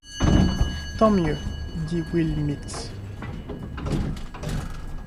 Tant mieux, dit Will Mitz.